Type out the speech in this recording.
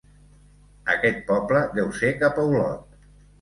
Aquest poble deu ser cap a Olot.